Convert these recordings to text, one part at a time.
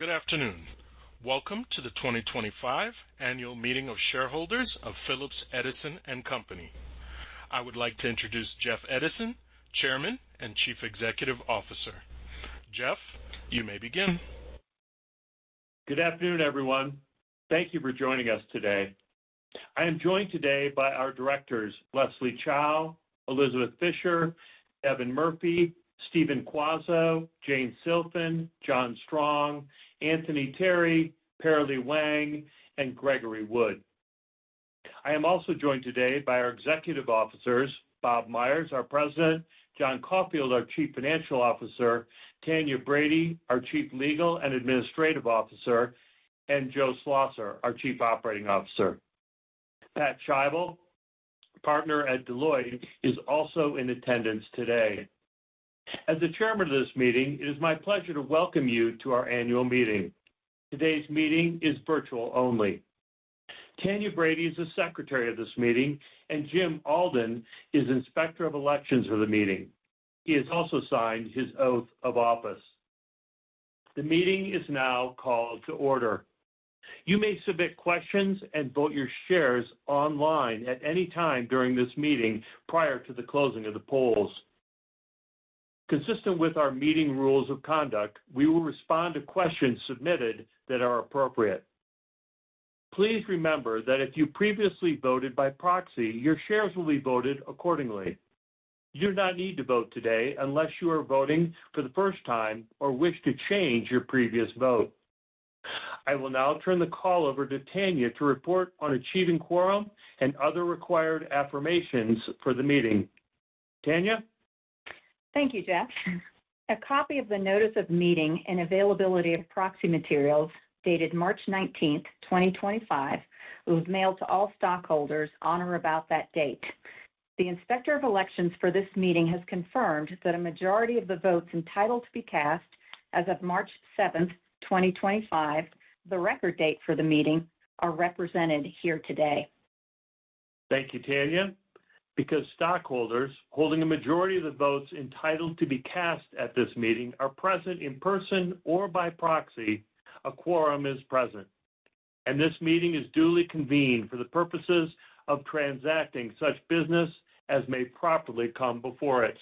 Good afternoon. Welcome to the 2025 Annual Meeting of Shareholders of Phillips Edison & Company. I would like to introduce Jeff Edison, Chairman and Chief Executive Officer. Jeff, you may begin. Good afternoon, everyone. Thank you for joining us today. I am joined today by our directors: Leslie Chao, Elizabeth Fischer, Devin Murphy, Stephen Quazzo, Jane Silfen, John Strong, Anthony Berry, Parilee Wang, and Gregory Wood. I am also joined today by our Executive Officers: Bob Myers, our President; John Caulfield, our Chief Financial Officer; Tanya Brady, our Chief Legal and Administrative Officer; and Joe Schlosser, our Chief Operating Officer. Pat Scheibel, partner at Deloitte, is also in attendance today. As the Chairman of this meeting, it is my pleasure to welcome you to our Annual Meeting. Today's meeting is virtual only. Tanya Brady is the Secretary of this meeting, and Jim Alden is Inspector of Elections for the meeting. He has also signed his oath of office. The meeting is now called to order. You may submit questions and vote your shares online at any time during this meeting prior to the closing of the polls. Consistent with our meeting rules of conduct, we will respond to questions submitted that are appropriate. Please remember that if you previously voted by proxy, your shares will be voted accordingly. You do not need to vote today unless you are voting for the first time or wish to change your previous vote. I will now turn the call over to Tanya to report on achieving quorum and other required affirmations for the meeting. Tanya? Thank you, Jeff. A copy of the Notice of Meeting and availability of Proxy materials dated March 19, 2025, was mailed to all stockholders on or about that date. The Inspector of Elections for this meeting has confirmed that a majority of the votes entitled to be cast as of March 7, 2025, the Record date for the meeting, are represented here today. Thank you, Tanya. Because stockholders holding a majority of the votes entitled to be cast at this meeting are present in person or by proxy, a quorum is present, and this meeting is duly convened for the purposes of transacting such business as may properly come before it.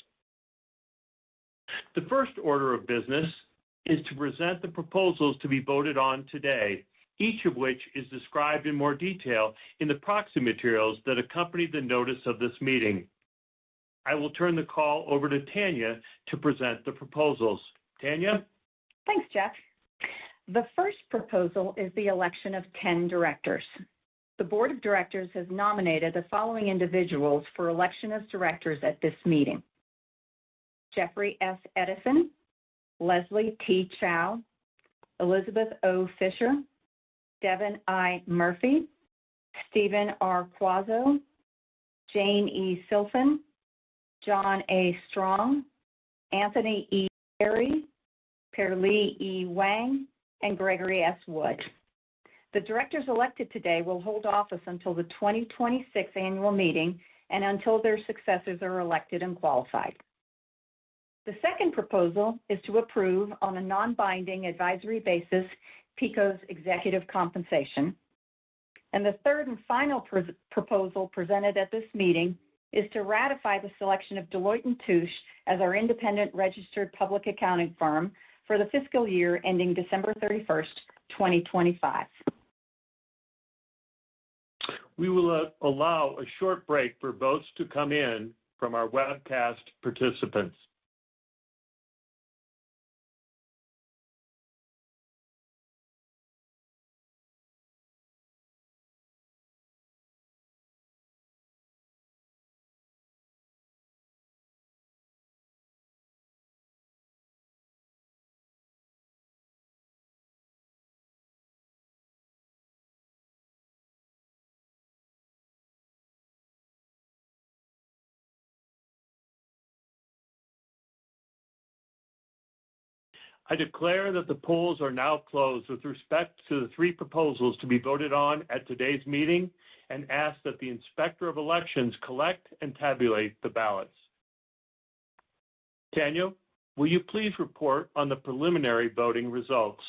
The first order of business is to present the proposals to be voted on today, each of which is described in more detail in the proxy materials that accompany the Notice of this Meeting. I will turn the call over to Tanya to present the proposals. Tanya? Thanks, Jeff. The first proposal is the election of 10 directors. The Board of Directors has nominated the following individuals for election as directors at this meeting: Jeffrey F. Edison, Leslie T. Chao, Elizabeth O. Fischer, Devin I. Murphy, Stephen R. Quazzo, Jane E. Silfen, John A. Strong, Anthony E. Berry, Parilee E. Wang, and Gregory S. Wood. The directors elected today will hold office until the 2026 Annual Meeting and until their successors are elected and qualified. The second proposal is to approve, on a non-binding advisory basis, PECO's executive compensation. And the third and final proposal presented at this meeting is to ratify the selection of Deloitte & Touche as our independent registered public accounting firm for the fiscal year ending December 31, 2025. We will allow a short break for votes to come in from our webcast participants. I declare that the polls are now closed with respect to the three proposals to be voted on at today's meeting and ask that the Inspector of Elections collect and tabulate the ballots. Tanya, will you please report on the preliminary voting results?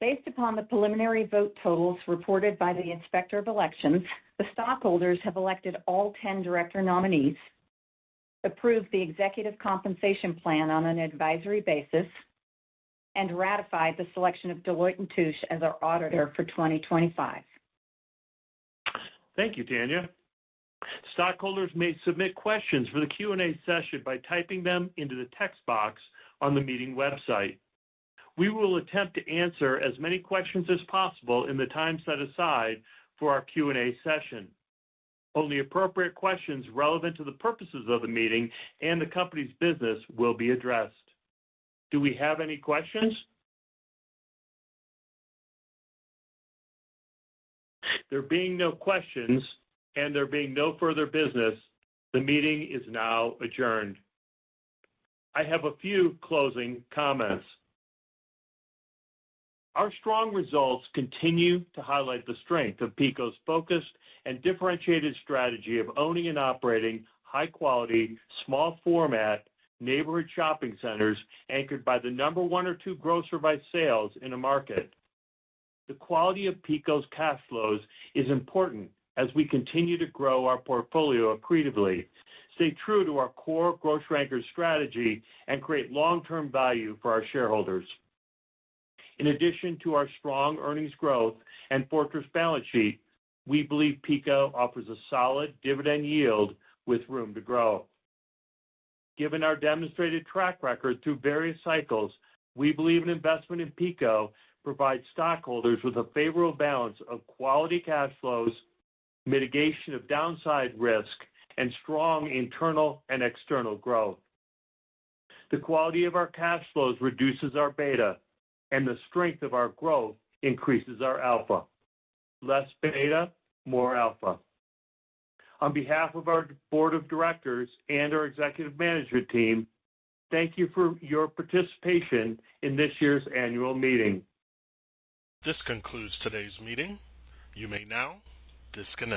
Based upon the preliminary vote totals reported by the Inspector of Elections, the stockholders have elected all 10 director nominees, approved the executive compensation plan on an advisory basis, and ratified the selection of Deloitte & Touche as our auditor for 2025. Thank you, Tanya. Stockholders may submit questions for the Q&A session by typing them into the text box on the meeting website. We will attempt to answer as many questions as possible in the time set aside for our Q&A session. Only appropriate questions relevant to the purposes of the meeting and the company's business will be addressed. Do we have any questions? There being no questions and there being no further business, the meeting is now adjourned. I have a few closing comments. Our strong results continue to highlight the strength of PECO's focused and differentiated strategy of owning and operating high-quality, small-format neighborhood shopping centers anchored by the number one or two grocer by sales in a market. The quality of PECO's cash flows is important as we continue to grow our portfolio accretively. Stay true to our core grocery-anchored strategy and create long-term value for our shareholders. In addition to our strong earnings growth and fortress balance sheet, we believe PECO offers a solid dividend yield with room to grow. Given our demonstrated track record through various cycles, we believe an investment in PECO provides stockholders with a favorable balance of quality cash flows, mitigation of downside risk, and strong internal and external growth. The quality of our cash flows reduces our beta, and the strength of our growth increases our alpha. Less beta, more alpha. On behalf of our Board of Directors and our Executive Management Team, thank you for your participation in this year's Annual Meeting. This concludes today's meeting. You may now disconnect.